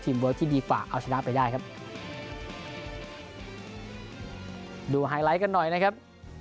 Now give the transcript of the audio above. เวิร์คที่ดีกว่าเอาชนะไปได้ครับดูไฮไลท์กันหน่อยนะครับ